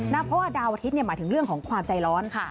เพราะว่าดาวอาทิตย์หมายถึงเรื่องของความใจร้อน